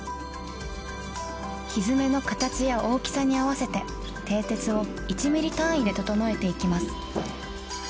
蹄の形や大きさに合わせて蹄鉄を１ミリ単位で整えていきます